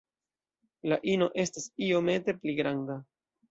La ino estas iomete pli granda.